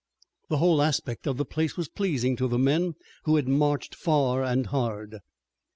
The whole aspect of the place was pleasing to the men who had marched far and hard.